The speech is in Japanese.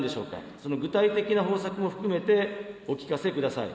その具体的な方策も含めてお聞かせください。